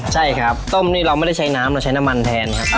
ใช่ครับต้มนี่เราไม่ได้ใช้น้ำเราใช้น้ำมันแทนครับ